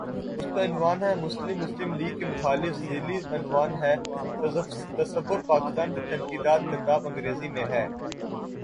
اس کا عنوان ہے:"مسلم مسلم لیگ کے مخالف" ذیلی عنوان ہے:"تصورپاکستان پر تنقیدات" کتاب انگریزی میں ہے۔